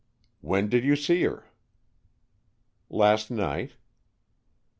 "When did you see her?" "Last night."